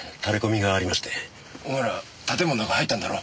お前ら建物の中入ったんだろ？